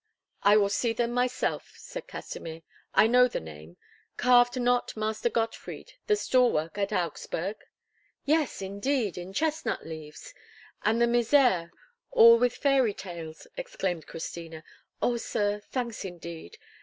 "I will see them myself," said Kasimir; "I know the name. Carved not Master Gottfried the stall work at Augsburg?" "Yes, indeed! In chestnut leaves! And the Misereres all with fairy tales!" exclaimed Christina. "Oh, sir, thanks indeed!